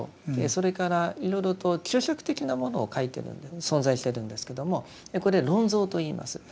それからいろいろと注釈的なものを書いてるんで存在してるんですけどもこれ「論蔵」といいます。